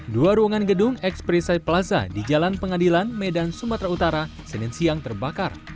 dua ruangan gedung ekspresi plaza di jalan pengadilan medan sumatera utara senin siang terbakar